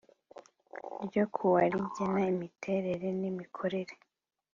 ryo ku wa rigena imiterere n’imikorere